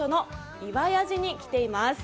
岩屋寺に来ています、